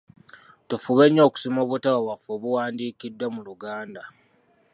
Tufube nnyo okusoma obutabo bwaffe obuwandiikiddwa mu Luganda.